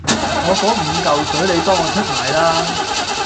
我嗰五嚿水你幫我出埋啦